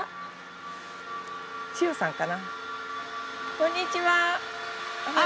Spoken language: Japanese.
こんにちは。